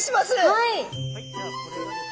はい。